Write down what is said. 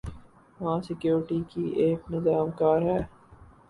وہاں سکیورٹی کا ایک نظام کار ہے۔